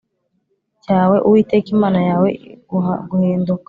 Cyawe uwiteka imana yawe iguha guhinduka